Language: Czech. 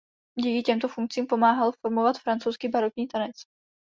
Díky těmto funkcím pomáhal formovat francouzský barokní tanec.